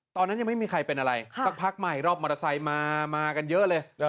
ตอนนั้นยังไม่มีใครเป็นอะไรสักพักใหม่รอบมอเตอร์ไซค์มากันเยอะเลย